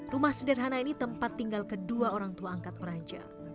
rumah sederhana ini tempat tinggal kedua orang tua angkat orangja